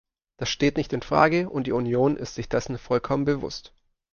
Das steht nicht in Frage, und die Union ist sich dessen vollkommen bewusst.